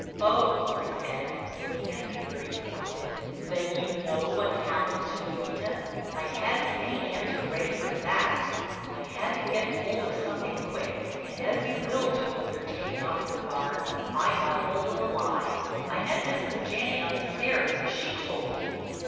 "Oh," he said, looking at me very pointed, "then you know what's happened to Bébita." I hadn't any answer ready for that. I had to get hold of something quick and as you will do when you're taken off your guard, I got hold of a lie: "I met Mrs. Janney on the stairs and she told me."